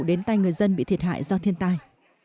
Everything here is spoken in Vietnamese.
đến tay người dân bị thiệt hại do thiên tai